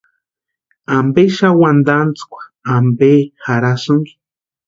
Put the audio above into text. ¿Amperi xani wantantskwa ampe jarhaski?